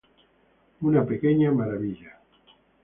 Una pequeña maravilla.